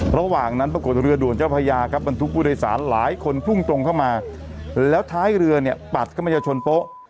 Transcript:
ระหว่างนั้นปรากฏเรือด่วนเจ้าพญาครับบรรทุกผู้โดยสารหลายคนพุ่งตรงเข้ามาแล้วท้ายเรือเนี่ยปัดเข้ามาจะชนโป๊ะ